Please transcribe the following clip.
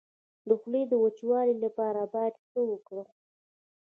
د خولې د وچوالي لپاره باید څه وکړم؟